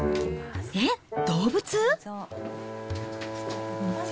えっ、動物？